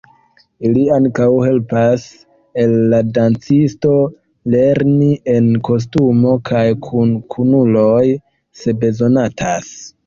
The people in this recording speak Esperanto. Ili ankaŭ helpas al la dancisto lerni en kostumo kaj kun kunuloj, se bezonatas.